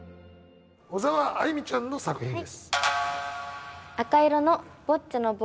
小澤愛実ちゃんの作品です。